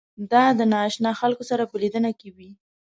دا د نااشنا خلکو سره په لیدنه کې وي.